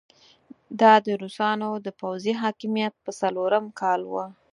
دا د روسانو د پوځي حاکميت په څلورم کال وو.